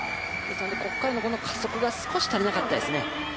ここからの加速が少し足らなかったですね。